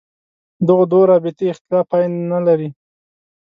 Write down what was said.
دغو دوو رابطې اختلاف پای نه لري.